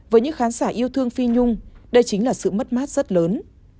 với những khán giả yêu thương phi nhung đây chính là sự mất mát rất lớn